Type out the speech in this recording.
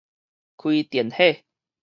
開電火